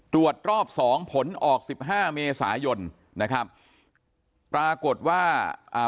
ตรวจรอบสองผลออกสิบห้าเมษายนนะครับปรากฏว่าอ่า